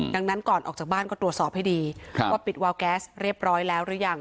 ดังนั้นก่อนออกจากบ้านก็ตรวจสอบให้ดีว่าปิดวาวแก๊สเรียบร้อยแล้วหรือยัง